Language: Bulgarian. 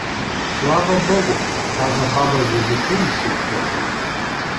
— Слава богу — каза баба Велика и си отдъхна.